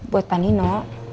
buat pak nino